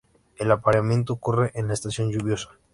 El apareamiento ocurre en la estación lluviosa.